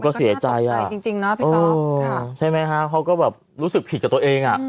เขาก็แบบรู้สึกผิดกับตัวเองน่ะ